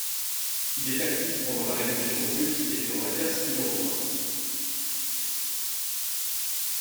Il est actif pendant la Révolution russe et durant la guerre civile en province.